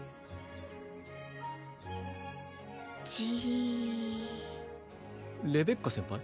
ジーッレベッカ先輩？